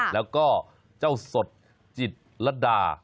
แล้วก็เจ้าสดจิตรดา